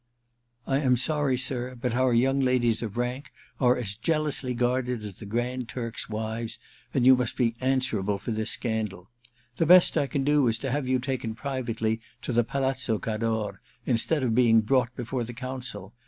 *I am sorry, sir — but our young ladies of rank are as jealously guarded as the Grand Turk's wives, and you must be answerable for this scandal. The best I can do is to have you taken privately to the Palazzo Cador, instead of being brought before the Council.